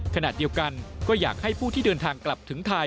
ขณะเดียวกันก็อยากให้ผู้ที่เดินทางกลับถึงไทย